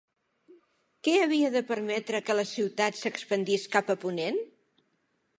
Què havia de permetre que la ciutat s'expandís cap a ponent?